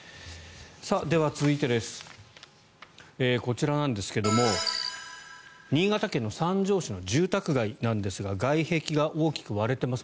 では、続いてこちらなんですけれども新潟県の三条市の住宅街なんですが外壁が大きく割れています。